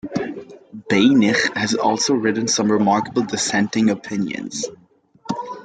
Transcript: Beinisch has also written some remarkable dissenting opinions.